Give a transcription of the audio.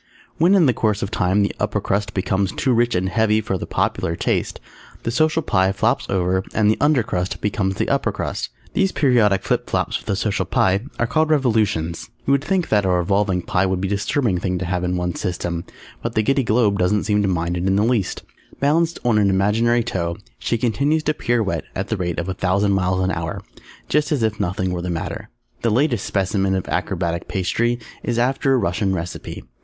_ When in the course of time the Upper Crust becomes too rich and heavy for the popular taste, the Social Pie flops over and the Under Crust becomes the Upper Crust. These periodic flip flops of the Social Pie are called Revolutions. You would think that a Revolving Pie would be a disturbing thing to have in one's system, but the Giddy Globe doesn't seem to mind it in the least. Balanced on an imaginary toe, she continues to pirouette at the rate of a thousand miles an hour, just as if nothing were the matter. The latest specimen of Acrobatic Pastry is after a Russian recipe.